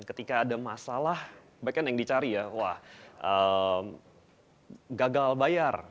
ketika ada masalah back end yang dicari ya wah gagal bayar